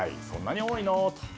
そんなに多いの？